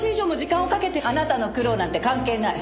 あなたの苦労なんて関係ない。